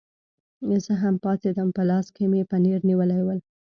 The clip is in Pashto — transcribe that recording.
زه هم پاڅېدم، په لاس کې مې پنیر نیولي ول.